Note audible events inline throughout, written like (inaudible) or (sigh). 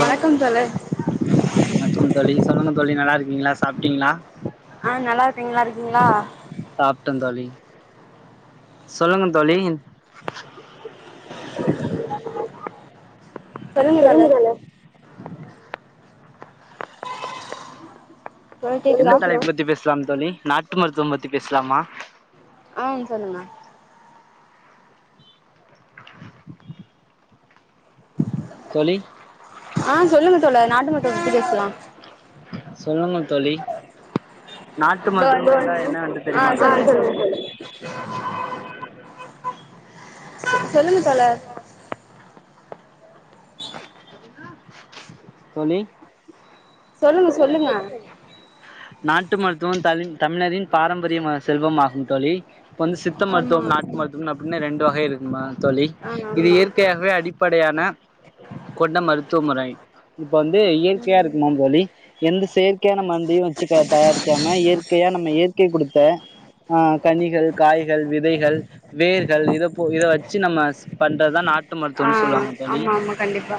வணக்கம் தோழர் வணக்கம் தோழி சொல்லுங்க தோழி நல்லாருக்கீங்ளா சாப்ட்டிங்ளா ஆ நல்லாருக்கே நீங் நல்லாருக்கீங்ளா சாப்ட்டே தோழி சொல்லுங்க தோழி (unintelligible) சொல்லுங்க தோழர் தோழர் என்ன கேக்குதா தலைப் பத்தி பேஸ்லாம் தோழி நாட்டு மருத்துவம் பத்தி பேஸ்லாமா ஆ சொல்லுங்க தோழி ஆ சொல்லுங்க தோழர் நாட்டு மருத்துவம் பத்தி பேஸ்லா சொல்லுங்க தோழி நாட்டு இப்ப வந்து (unintelligible) என்ன ஆகுது ஆ தெரிமா சொல்லுங்க சொல்லுங்க தோழி சொல்லுங்க தோழர் தோழி சொல்லுங்க சொல்லுங்க நாட்டு மருத்துவம் தலின் தமிழரின் பாரம்பரியமா செல்வம் ஆகும் தோழி இப்போ வந்து சித்த ஆமா மருத்துவம் நாட்டு ம் மருத்துவம்னு அப்புன்னு ரெண்டு வகை இருக்குமா தோழி ஆ இது ஆமா இயற்கையாகவே அடிப்படையான கொண்ட மருத்துவ முறை இப்ப வந்து இயற்கையா இருக்குமாந் தோழி எந்த செயற்கையான மர்ந்தையு வச்சு தயாரிக்காம இயற்கையா நம்ம இயற்கை குடுத்த ஆ கனிகள் காய்கள் விதைகள் வேர்கள் இத போ இத வச்சு நம்ம பண்றதுதா நாட்டு ஆ மருத்துவம்னு சொல்லுவாங்க தோழி ஆமா ஆமா கண்டிப்பா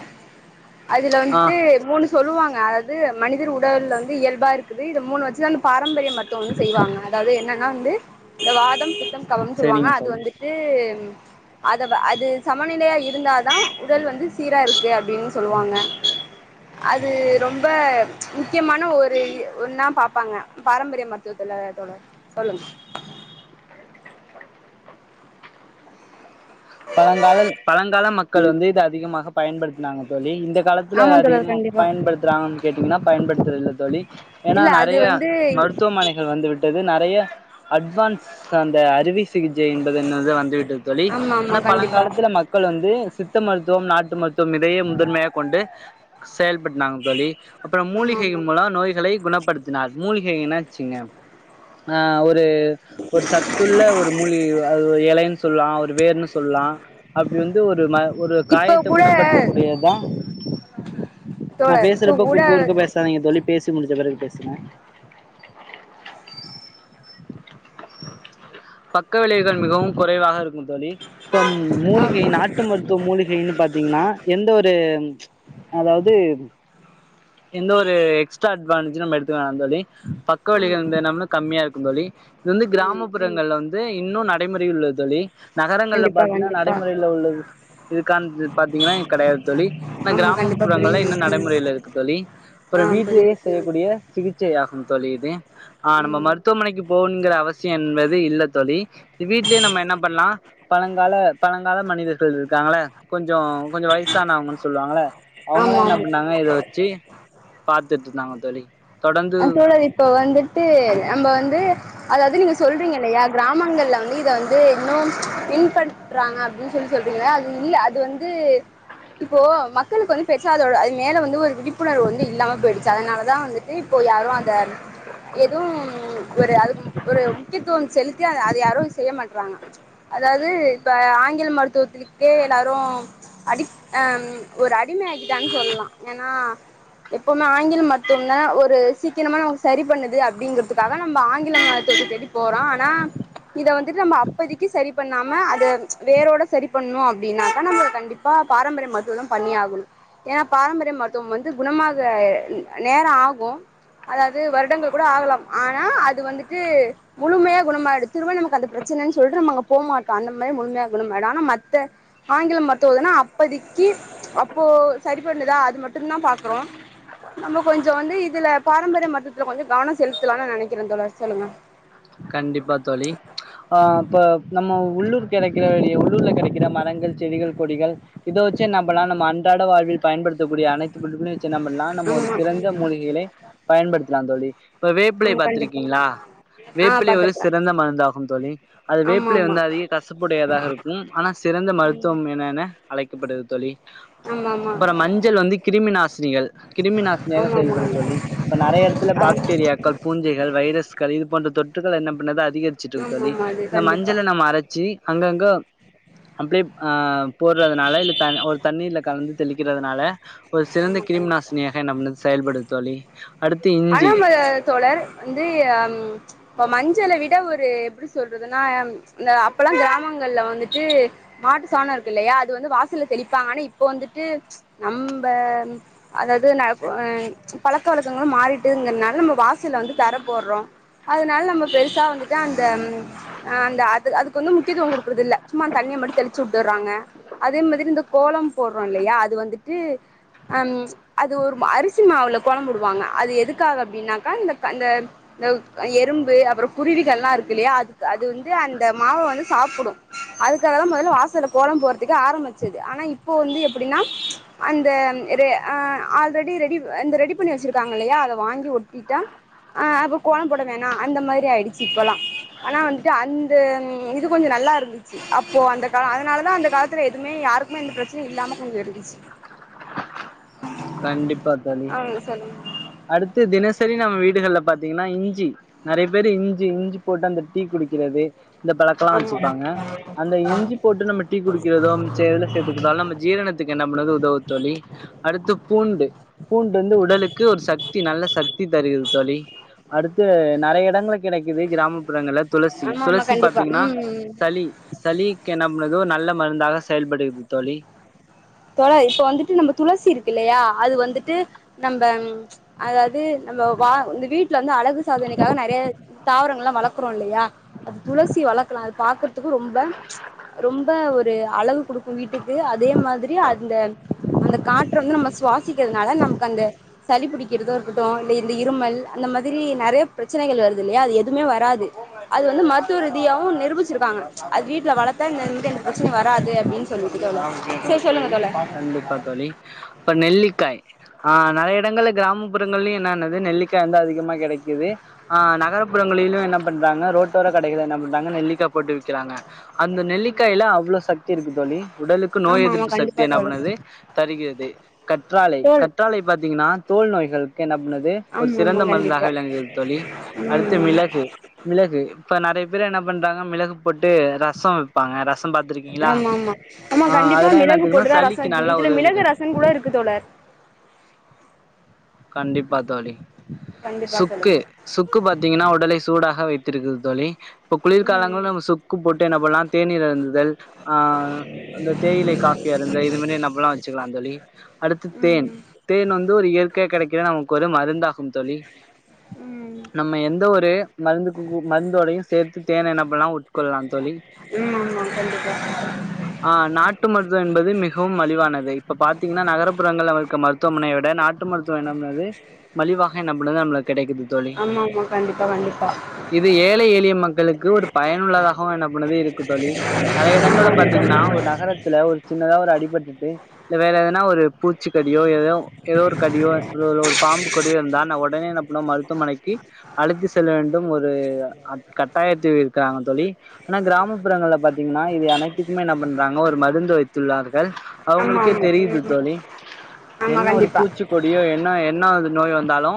அதுல ஆ வன்ட்டு மூணு சொல்லுவாங்க அதாது மனிதர் உடல்ல வந்து இயல்பா இருக்குது இத மூணு வச்சுதா பாரம்பரியம் மருத்துவம் வந்து செய்வாங்க அதாவது என்னன்னா வந்து இந்த வாதம் பித்தம் கபம் சொல்லுவாங்க சரிங்க அது தோழி வந்து ந்து அத வ அது சமநிலையா இருந்தால் தா உடல் வந்து சீரா இருக்கு அப்டின் சொல்லுவாங்க அது ரொம்ப முக்கியமான ஒரு ஒன்னா பாப்பாங்க பாரம்பரிய மரு த்துவத்துல தோழர் சொல்லுங்க பழங்காலல் பழங்கால மக்கள் வந்து இது அதிகமாக பயன்படுத்துனாங்க தோழி இந்த காலத்துல ஆமா தோழர் அதிகமா கண்டிப்பா பயன்படுத்துறாங்கன் கேட்டீங்கன்னா பயன்படுத்துறதில்ல தோழி ஏனா இல்ல அது நெறைய வந்து மருத்துவமனைகள் வந்துவிட் டது நெறைய அட்வான்ஸ் அந்த அறுவை சிகிச்சை என்பது என்னது வந்து விட்டது தோழி ஆமா ஆமா ஆனா கண்டிப்பா பழங்காலத்துல மக்கள் வந்து சித்த மருத்துவம், நாட்டு மருத்துவம் இதையே முதன்மையா கொண்டு செயல்பட்த்னாங் தோழி அப்பறம் ஆமா மூலிகை ஆமா மூலோ நோய்களை குணப்படுத் துனால் மூலிகை என்னாச்சுங்க ஆ ஒரு ஒரு சத்துள்ள ஒரு மூலிகை அது ஒரு எலைன் சொல்லா ஒரு வேர்னு சொல்லா அப்டி வந்து ஒரு ம ஒரு இப்ப காயத்த கூட குணப்படுத்தக்கூடியத் தா நா தோழர் இப்ப பேசறப்ப கூட குறுக் குறுக்க பே சாதீங்க தோழி பேசி முடிஞ்ச பிறகு பேசுங்க பக்க விளைவுகள் மிகவும் குறைவாக இருக்கும் தோழி இப்ப ஆம் மூலிகை நாட்டு மருத்துவ மூலிகைன்னு பாத்தீங்ன்னா எந்த ஒரு அதாவ் து எந்த ஒரு எக்ஸ்ட்ரா அட்வான்ஜு நம்ம எடுத்துக்க வேணா தோழி பக் ஆமா கவிளைவுகள் வந்து நம்ளுக் கம்மியா இருக்கும் தோழி இது வந்து ம் ம் கிராமப்புறங்கள்ல வந்து இன்னு நடைமுறையில் உள்ளது தோழி நகரங்கள்ல கண்டிப்பா பாத்தீன்னா கண்டிப்பா நடைமுறைல உள்ளது இதுக்கான்து பாத்தீங்கன்னா கெடையாது தோழி ஆனா ஆமா கண்டிப்பா கிராமப்புறங்கள்ல இன்னு புரியுது ம் நடைமுறையில் இருக்கு தோழி ஆ அப்பறம் வீட்லயே புரியுது புரியுது செய்யக்கூடிய சிகிச்சை ஆஹும் தோழி இது ஆ நம்ம ம் மருத்துவ மனைக்கு போணுங்கற அவசியோ என்பது இல்ல தோழி வீட்லயே நம்ம என்ன பண்லா பழங்கால பழங்கால மனிதர்கள் இருக்காங்கல்ல கொஞ்சோ கொஞ்ச வய் சானவங்கன் சொல்வாங்கல்ல அவுங்கல்லா ஆமா என்ன ஆமா பண்ணாங்க இத வெச்சு பாத்துட்ருந்தாங்க தோழி தொடர்ந்து அ தோழரே இப்ப வந்துட்டு நம்ப வந்து அதாவ்து நீங்க சொல்றீங்கில்லயா கிராமங்கள்ல வந்து இத வந்து இன்னும் பின்ப ற்றாங்க அப்டின் சொல்லி சொல்றீங்கல்ல அது இல்ல அது வந்து இப்போ மக்களுக்கு வந்து பெருசா அதோட அது மேல வந்து ஒரு விழிப்புணர்வு வந்து இல்லாம போய்டுச்சு அதனால தா வந்துட்டு இப்போ யாரு அத எதுவு ஒரு அதுக்கு ஒரு முக்கியத்துவம் செலுத்தி அத அத யாரு செய்ய மாட்றாங்க அதாவ்து இப்ப ஆங்கில மருத்துவத்துக்கிட்யே எல்லாரு அடி ஆ ம் ஒரு அடிமை ஆக்கிட்டாங்கன் சொல்லா ஏனா எப்பவுமே ஆங்கில மருத்துவம்னா ஒ ரு சீக்கிரமா நமக் சரி பண்ணுது அப்டிங்கிறதுக்காக நம்ம ஆங்கில மருத்துவத்த தேடி போறோ ஆனா இத வந்துட்டு நம்ம அப்போதிக்கு சரி பண்ணாம அத வேரோட சரி பண்ணு அப்டின்னாக்கா நம்ம கண்டி ப்பா பாரம்பரிய மருத்துவோ தா பண்ணியாகணு ஏனா பாரம்பரிய மருத்துவம் வந்து குணமாக அ ன் நேரோ ஆகு அதாவ்து வருடங்கள் கூட ஆகலாம் ஆனா அது வந்துட்டு முழுமையா குணமாய்டு திரும்ப நமக்கு அந்த பிரச்சனன் சொல்ட்டு நம்ம அங்க போ மாட்டோ அந்த மாரி முழுமையா குணமாய்டு ஆனா மத்த ஆங்கில மருத்துவோதுனா அப்பதிக்கு அப்போ சரி பண்ணுதா அது மட்டுந்தா பாக்கறோ நம்ம கொஞ்சோ வந்து இதுல பாரம்பரிய மருத்துவத்துல கொஞ்சோ கவனோ செலுத்தலானு நா நெனைக்கிற தோழர் சொல்லுங்க கண்டிப்பா தோழி ஆ இப்போ நம்ம உள்ளூர் கெடைக்கிற கூடிய உள்ளூர்ல கெடைக்கிற மரங்கள், செடிகள், கொடிகள் இத வெச்சு என்னா பண்லா நம்ம அன்றாட வாழ்வில் பயன்படுத்தக்கூடிய அனைத்து பொருள்களயு வெச்சு என்ன பண்லா நம்ம ஆமா ஒரு சிறந்த மூலிகைகளை பயன்படுத்தலா தோழி இப்ப வேப்பிலை ஆமா கண்டிப்பா பாத்துருக்கீங்ளா ஆ வேப்பிலை ஒரு பாத்துருக்கே சிறந்த மருந்தாகும் தோழி அது ஆமா வேப்பிலை ஆமா வந்து அதிக கசப்புடையதாக இருக்கும் ஆனா சிறந்த ம் மருத்துவம் எனன அழைக்கப்படுது தோழி ஆமா ஆமா அப்பறோ மஞ்சள் வந்து கிருமி நாசினிகள் கிருமி நாசினியாக ஆமா செயல்படுது தோழி இப்ப நெறைய எடத்துல பாக்டீரியாக்கள், பூஞ்சைகள், வைரஸ்கள் இது போன்ற தொற்று கள் என்ன பண்ணது ஆமா கண்டிப்பா ஆ அதிகர்ச்சுட்ருக்கு ஆமா தோழி ஆமா அது இந்த கண்டிப்பா மஞ்சள நம்ம அரச்சி அங்கங்க அப்டியே அ போடுறதுனால இல்ல த ஒரு தண்ணீல கலந்து தெளிக்கிறதுனால ஒரு சிறந்த ஆமா கிருமி கண்டிப்பா நாசினியாக என்ன பண்ணுது செயல்படுது தோழி அடுத்து இஞ்சி ஆ தோழர் வந்து அம்ச் இப்ப மஞ்சள விட ஒரு எப்படி சொல்றதுன்னா ம்ச் இந்த அப்பல்லா கிராமங்கள்ல வந்துட்டு மாட்டு சாணோ இருக்குல்லயா அது வந்து வாசல்ல தெளிப்பாங்க ஆனா இப்ப வந்துட்டு ம்ச் நம்ப அதாது நா (unintelligible) ம்ச் பழக்க வழக்கங்களு மாறிட்டுங்கறனால நம்ம வாசல்ல வந்து தர போடுறோ அதுனால நம்ம பெருசா வந்துட்டு அந்தம் ஆ அந்த அது அதுக்கு வந்து முக்கியத்துவோ குடுக்குறது இல்ல சும்மா தண்ணிய மட்டு தெளிச்சுட்டுறாங்க அதே மாதிரி இந்த கோலம் போடுறோ இல்லையா அது வந்துட்டு அம் அது ஒரு மா அரிசி மாவுல கோலம் போடுவாங்க அது எதுக்காக அப்டின்னாக்கா இந்தக் அந்த (unintelligible) அ எறும்பு அப்புறோ குருவிகளா இருக்கு இல்லையா அதுக்கு அது வந்து அந்த மாவ வந்து சாப்புடு அதுக்கா தா மொதல்ல வாசல கோலம் போறதுக்கே ஆரம்பிச்சது ஆனா இப்போ வந்து எப்புடின்னா ம்ச் அந்தம் இரே அ ஆல்ரெடி ரெடி இந்த ரெடி பண்ணி வச்சிருக்காங்கல்லயா அத வாங்கி ஒட்டிட்டா ஆ அப்ப கோலம் போட வேணா அந்த மாதிரி ஆயிடுச்சு இப்பல்லா ஆனா வந்துட்டு அந்த இது கொஞ்ச நல்லாருந்து அப்போ அந்த கால அதுனால தா அந்த காலத்துல எதுமே யாருக்மே எந்த பிரச்சனையு இல்லாமகு இருஞ்சு கண்டிப்பா தோழி ஆ சொல்லுங்க அடுத்து தினசரி நம்ம வீடுகள்ல பாத்தீங்கன்னா இஞ்சி நெறைய பேரு இஞ்சி இஞ்சி போட்டு அந்த டீ குடிக்கிறது அந்த பழக்கெல்லா ஆமா வச்சுப்பாங்க அந்த இஞ்சி போட்டு நம்ம டீ குடிக்கிறதோ மிச்ச எதுல சேத்துக்கிட்டாலு நம்ம ஜீரணத் துக்கு என்ன பண்ணது உதவு தோழி அடுத்து பூ பூண்டு பூண்டு வந்து உடலுக்கு ஒரு சக்தி நல்ல சக்தி தருகிது தோழி அடுத்து நெறைய இடங்க கிடைக்குது கிராமப்புறங்களல துளசி ஆமா ஆமா துளசி பத் கண்டிப்பா தீங்கன்னா ம் சளி சளிக்கு என்ன பண்ணுது ஒரு நல்ல மருந்தாக செயல்படுகிறது தோழி தோழா இப்ப வந்துட்டு நம்ம துளசி இருக்கு இல்லையா அது வந்துட்டு நம்ப ம்ச் அதாது நம்ம வா இந்த வீட்ல வந்து அழகு சாதனைக்காக நெறைய தாவரங்கள்லா வளக்றோ இல்லையா அது துளசி வளக்கலா அது பாக்குறத் துக் ரொம்ப ம்ச் ரொம்ப ஒரு அழகு குடுக்கு வீட்டுக்கு அதே மாதிரி அந்த அந்த காற்ற வந்து நம்ம சுவாசிக்கறதுனால நமக்கு அந்த சளி புடிக்கிறதோ இருக்கட்டு இல்ல இந்த இருமல் அந்த மாதிரி நெறைய பிரச்சனைகள் வருது இல்லையா அது எதுமே வராது அது வந்து மத்துவ ரீதியாவு நிரூபிச்சுருக்காங்க ம்ச் அது வீட்ல வளத்தா இந் இந்த பிரச்சனையு வராது அப்டின்ஸ் சொல்லுங்க தோழா செர் சொல்லுங்க தோழா கண்டிப்பா தோழி இப்ப நெல்லிக்காய் ஆ நெறைய எடங்கள்ல கிராம புறங்கள்லயும் என்னானது நெல்லிக்கா வந்து அதிகமா கெடைக்குது ஆனா நகரப்புறங்களிலு என்ன பண்றாங்க ரோட்டோர கடைகள்ல என்ன பண்றாங்க நெல்லிக்கா போட்டு விக்கிறாங்க அந்த ம் நெல்லிக்காய்ல அவ்ளோ சக்தி இருக்கு தோழி உடலுக்கு நோய் ஆமா ஆமா எதிர்ப்பு சக் தி கண்டிப்பா என்னா தோழி பண்ணுது தருகிறது கற்றாழை தோழ் கற் றாழை பாத்தீங்கன்னா தோல் நோய்களுக்கு என்ன பண்ணுது ஒரு ஆமா ஆமா சிறந்த மருந்தாக கண்டிப்பா விளங்குகிறது தோழி ம் அடுத்து மிளகு மிளகு இப்ப நெறைய பேர் என்ன பண்றாங்க மிளகு போட்டு ரசோ வைப்பாங்க ரஸ் ஆமா ஆமா ஆமா கண்டிப்பா அதெல்லா மிளகு என்னத்துக்குன்னா போட்டுதா ரசோ சளிக்கு வைக்கணு நல்லா இதுல மிளகு உதவுகிறது ரசன் கூட இருக்கு தோழர் கண்டிப்பா தோழி கண்டிப்பா சுக்கு சொல்லுங்க சுக்கு பாத்தீங்கன்னா உடலை சூடாக வைத்திருக்குது தோழி இப்ப ம் குளிர்காலங்கள்ல நம்ம சுக் கு போட்டு என்ன பண்ணலா தேநீர் அருந்துதல் ஆ அந்த தேயிலை காஃபிய இருந்த இது மாரி நம்பல்லா வச்சுக்கலா தோழி அடுத்து தேன் ம் தேன் வந்து ஒரு இயற்கையா கெடைக்கிற நமக்கு ஒரு மருந்தாகும் தோழி ம் நம்ம எந்த ஒரு மருந்துக்கும் கூ மருந்தோடையு சேத்து தேன என்ன பண்ணலா உட்கொள்ளலா தோழி ம் ஆமா கண்டிப்பா ஆ நாட்டு மருத்துவம் என்பது மிகவும் மலிவானது இப்ப பாத்தீங்கன்னா நகரபுறங்கள இருக்க மருத் மருத்துவமனைய விட நாட்டு மருத்துவ என்ன பண்ணுது மலிவாக என்ன பண்ணுது நம்மளுக்கு கெடைக்குது ஆமா ஆமா கண்டிப்பா கண்டிப்பா இது ஏழை எளிய மக்களுக்கு ஒரு பயனுள்ளதாகவு என்ன பண்ணது இருக்கு தோழி நறைய இடங்கள்ல பாத்தீங்கன்னா ஒரு நகரத்துல ஒரு சின்னதா ஒரு அடிபட்டுட்டு இல்ல வேற எதனா ஒரு பூச்சிக்கடியோ எதோ எதோ ஒரு கடியோ இது ஒரு பாம்பு கொடிய இருந்தா அனா உடனே என்ன பண்ணுவோ மருத்துவமனைக்கு அழைத்து செல்ல வேண்டும் ஒரு அட் கட்டாயத்தில் இருக்காங்க தோழி ஆனா கிராமப்புறங்கள்ல பாத்தீங்கன்னா இது அனைத்துக்குமே என்ன பண்றாங்க ஒரு மருந்து வைத்துள்ளார்கள் ஆமா அவுங்களுக்கே ஆமா தெரியுது ம் தோழி ஆமா என்ன ஒரு கண்டிப்பா பூச்சிக்கொ கடியோ என்ன என்ன இது நோய் வந்தாலு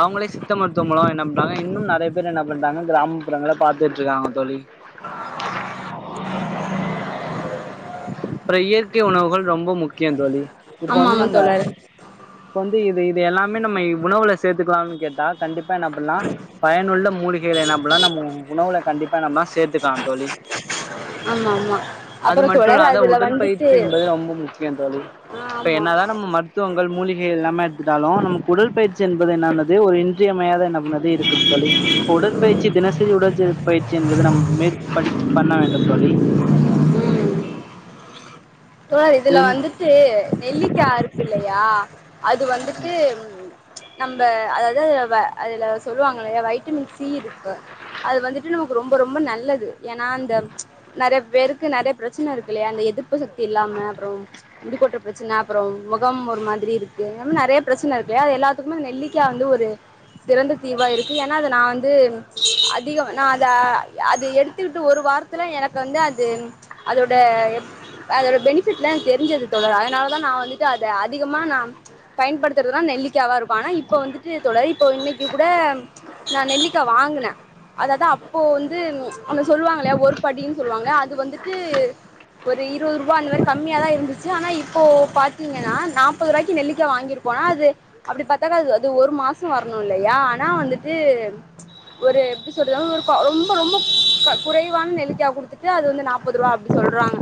அவுங்களே சித்த மருத்துவ மூலம் என்ன பண்றாங்க இன்னும் நெறைய பேர் என்ன பண்றாங்க கிராமப்புறங்கள பாத்துட்டு இருக்காங்க தோழி அப்பற இயற்கை உணவுகள் ரொம்ப முக்கியம் தோழி இப்ப ஆமா வந்து ஆமா நம்ம தோழர் இப்ப வந்து இது இது எல்லாமே நம்ம உணவுல சேத்துக்கலாம்னு கேட்டா கண்டிப்பா என்ன பண்லா பயனுள்ள மூலிகைளை என்ன பண்லா நம்ம உணவுல கண்டிப்பா நம்ம சேத்துக்கலா தோழி ஆமா ஆமா அது அப்புறோ மட்டு தோழர் இல்லாத அதுல உடல் வந்துட்டு பயிற்சி என்பது ரொம்ப முக்கிய தோழி ஆ இப்ப ஆமா என்னதா நம்ம மருத் த்துவங்கள் மூலிகை எல்லாமே எடுத்துட்டாலு நமக்கு உடல் பயிற்சி என்பது என்னானது ஒரு இன்றியமையாத என்ன பண்ண இருக்குது தோழி இப்ப உடற்பயிற்சி தினசரி உடல் சே பயிற்சி என்பது நம்ம மேற்படி பண்ண வேண்டும் தோழி சோ இதுல இது வந் வந்துட்டு நெல்லிக்கா இருக்கு இல்லையா அது வந்துட்டு நம்ப அதாவது அதுல அதுல சொல்லுவாங்க இல்லையா வைட்டமின் சி இருக்கு அது வந்துட்டு நமக்கு ரொம்ப ரொம்ப நல்லது ஏன்னா அந்த நெறைய பேருக்கு நெறைய பிரச்சனை இருக்குல்லையா அந்த எதிர்ப்பு சக்தி இல்லாம அப்பறோ முடிக்கொட்டுற பிரச்சன அப்பறம் முகம் ஒரு மாதிரி இருக்கு நெறைய பிரச்சனை இருக்கு இல்லையா எல்லா க்குமே நெல்லிக்கா வந்து ஒரு சிறந்த தீவா இருக்கு ஏன்னா அதை நான் வந்து அதிக நா அதை அது எடுத்துக்கிட்டு ஒரு வார்த் துல எனக்கு வந்து அது அதோட அதோட பெனிஃபிட்லா எனக் தெரிஞ்சது தோழரே அதனாலதா நான் வந்துட்டு அத அதிகமா நான் பயன்படுத்துறதுனா நெல்லிக்காவா இருக்கு ஆனா இப்ப வந்துட்டு தோழர் இப்ப இன்னைக்கு கூட நா நெல்லிக்கா வாங்கினே அததா இப்போ வந்து அந்த சொல்லுவாங்கல்லையா ஒரு படி சொல்லுவாங்கள அது வந்துட்டு ஒரு இருபது ரூபா அந்த மாறி கம்மியாதா இருந்துச்சு ஆனா இப்போ பாத்தீங்கன்னா நாப்பது ரூபாய்க்கு நெல்லிக்காய் வாங்கிருக்கோனா அது அப்டி பத்தாக்கா அது அது ஒரு மாச வரணு இல்லையா ஆனா வந்துட்டு ஒரு எப்டி சொல்றது ஒரு ரொம்ப ரொம்ப குறைவான நெல்லிக்காவ குடுத்துட்டு அது வந்து நாப்ப ப்பதுரூவா அப்டி சொல்றாங்க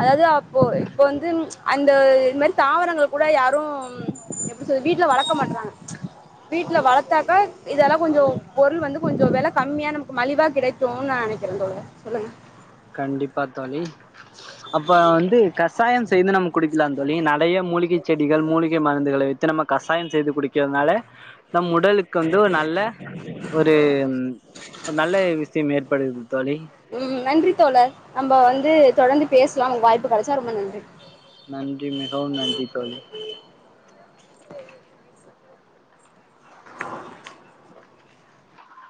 அதாவது அப்போ இப்ப வந்து அந்த இது மாறி தாவரங்கள் கூட யாரும் எப்டி சொல்றது வீட்ல வளக்க மாட்றாங்க வீட்ல வளத்தாக்கா இதெல்லா கொஞ்சம் பொருள் வந்து கொஞ்சம் வெல கம்மியா நமக்கு மலிவா கிடைக் கு நா நெனைக்கிறேந் தோழி சொல்லுங்க கண்டிப்பா தோழி அப்ப வந்து கசாயம் செய்து நம்ம குடிக்கிலாந் தோழி நடைய மூலிகைச் செடிகள் மூலிகை மருந்துகளை வைத் து நம்ம கசாயம் செய்து குடிக்கிதனால நம் உடலுக்கு வந்து ஒரு நல்ல ஒரு நல்ல விஷ்யம் ஏற்படுது தோழி ம் நன்றி தோழர் நம்ப வந்து தொடர்ந்து பேச்லாம் ஒங் வாய்ப்பு கெடச்சா ரொம்ப நன்றி நன்றி மிகவும் நன்றி‌ தோழி (unintelligible)